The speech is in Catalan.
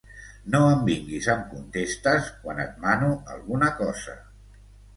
No em vinguis amb contestes, quan et mano alguna cosa.